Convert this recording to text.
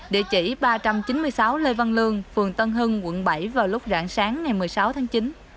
địa chỉ ba trăm chín mươi sáu lê văn lương phường tân hưng quận bảy vào lúc rạng sáng ngày một mươi sáu tháng chín